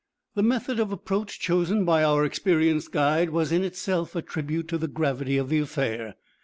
The method of approach chosen by our experienced guide was in itself a tribute to the gravity of the affair.